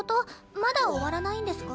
まだ終わらないんですか？